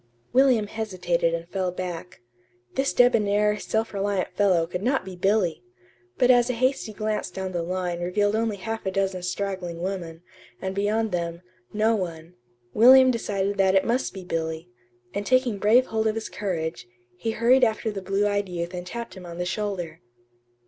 William hesitated and fell back. This debonair, self reliant fellow could not be Billy! But as a hasty glance down the line revealed only half a dozen straggling women, and beyond them, no one, William decided that it must be Billy; and taking brave hold of his courage, he hurried after the blue eyed youth and tapped him on the shoulder.